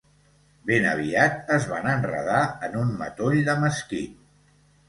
Ben aviat es van enredar en un matoll de mesquit.